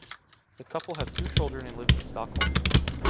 The couple has two children and lives in Stockholm.